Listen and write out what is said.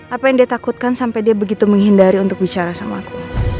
apa yang dia takutkan sampai dia begitu menghindari untuk bicara sama aku